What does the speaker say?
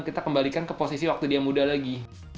kita kembalikan ke posisi waktu dia muda lagi